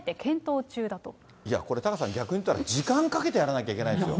いや、これ、タカさん、逆に言ったら、時間かけてやらなきゃいけないですよ。